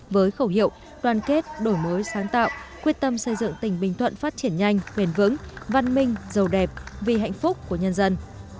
với khẩu hiệu đoàn kết đổi mới sáng tạo quyết tâm xây dựng tỉnh bình thuận phát triển nhanh bền vững văn minh giàu đẹp vì hạnh phúc của nhân dân